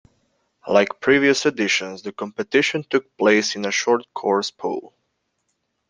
Like previous editions, the competition took place in a short course pool.